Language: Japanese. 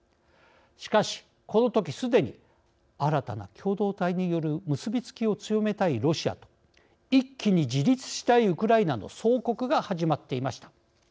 しかし、このときすでに新たな共同体による結び付きを強めたいロシアと一気に自立したいウクライナの相克が始まっていました。